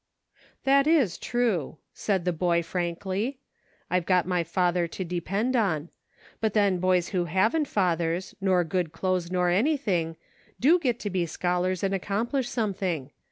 "That is true," said the boy, frankly; "I've got my father to depend on ; but then boys who haven't fathers, nor good clothes nor anything, do get to be scholars and accomplish something.